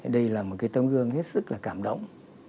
đây là một cái tấm gương hết sức là cảm động